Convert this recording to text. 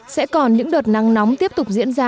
sẽ còn những đợt nắng nóng tiếp tục diễn ra